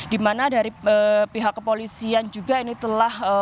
di mana dari pihak kepolisian juga ini telah